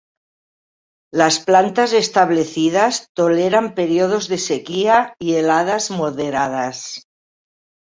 Las plantas establecidas toleran periodos de sequía y heladas moderadas.